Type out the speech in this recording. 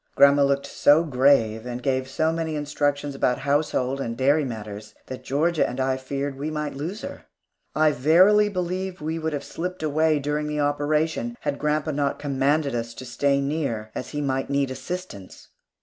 Grandma looked so grave, and gave so many instructions about household and dairy matters, that Georgia and I feared that we might lose her. I verily believe we would have slipped away during the operation, had grandpa not commanded us to stay near, as he might need assistance.